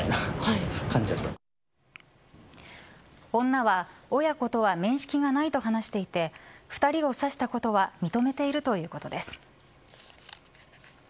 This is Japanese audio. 女は親子とは面識がないと話していて２人を刺したことは認めているということです。